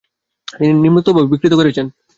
তিনি নিম্নোক্তভাবে বিবৃত করেছেন: